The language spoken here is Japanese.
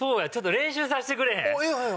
練習させてくれへん？